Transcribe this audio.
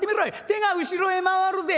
手が後ろへ回るぜ」。